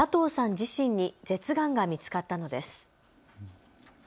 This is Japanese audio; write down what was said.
自身に舌がんが見つかったのです。